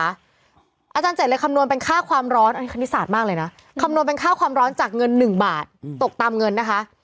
อาจารย์เจดเลยคำนวณเป็นค่าความร้อนอันนี้คณิตศาสตร์มากเลยนะคำนวณเป็นค่าความร้อนจากเงิน๑บาทตกตามเงินนะคะ